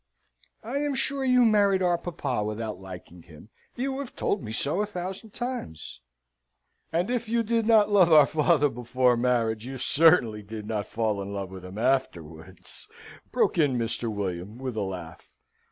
"I am sure you married our papa without liking him. You have told me so a thousand times!" "And if you did not love our father before marriage, you certainly did not fall in love with him afterwards," broke in Mr. William, with a laugh.